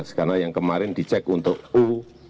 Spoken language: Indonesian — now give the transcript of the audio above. untuk yang u tujuh belas karena yang kemarin dicek untuk u dua puluh